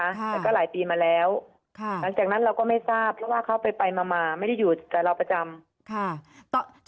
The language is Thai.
แต่ก็หลายปีมาแล้วหลังจากนั้นเราก็ไม่ทราบเพราะว่าเขาไปมาไม่ได้อยู่แต่เราประจำ